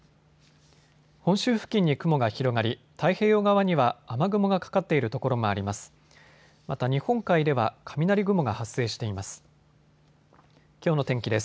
本州付近に雲が広がり、太平洋側には雨雲がかかっている所もあります。